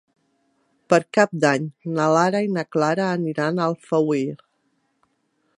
Per Cap d'Any na Lara i na Clara aniran a Alfauir.